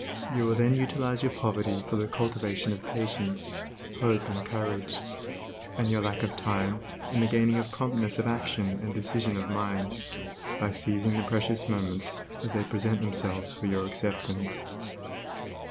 You will then utilize your poverty for the cultivation of patience, hope and courage; and your lack of time in the gaining of promptness of action and decision of mind, by seizing the precious moments as they present themselves for your acceptance.